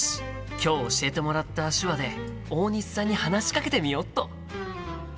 今日教えてもらった手話で大西さんに話しかけてみよっと！